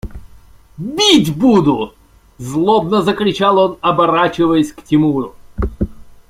– Бить буду! – злобно закричал он, оборачиваясь к Тимуру.